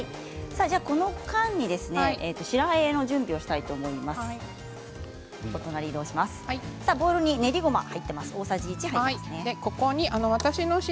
この間に、白あえの準備をしていきましょう。